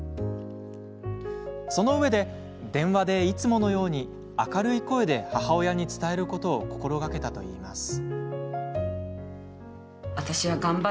そのうえで、電話でいつものように明るい声で母親に伝えることを心がけたといいます。